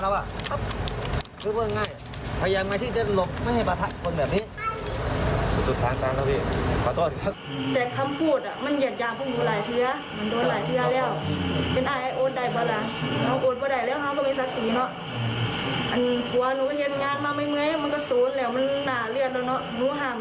แต่คำพูดนักทำงานมันเย็ดจอดแบบว่าผู้อยู่โหละ